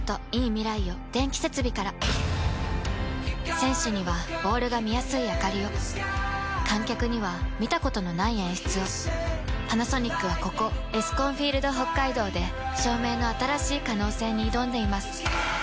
選手にはボールが見やすいあかりを観客には見たことのない演出をパナソニックはここエスコンフィールドＨＯＫＫＡＩＤＯで照明の新しい可能性に挑んでいます